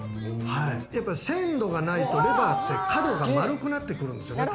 鮮度がないとレバーって角が丸くなってくるんですよね。